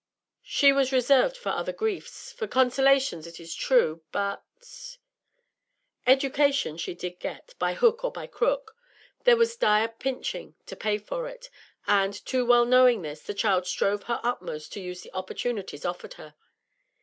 She was reserved for other griefs; for consolations, it is true, but Education she did get, by hook or by crook; there was dire pinching to pay for it, and, too well knowing this, the child strove her utmost to use the opportunities offered her.